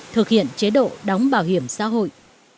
thực hiện chế độ đóng bảo hiểm xã hội